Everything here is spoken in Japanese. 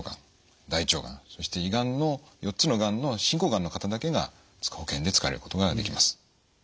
そして胃がんの４つのがんの進行がんの方だけが保険で使われることができます。